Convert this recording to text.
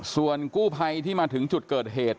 ส่วนกู้ภัยที่มาถึงจุดเกิดเหตุ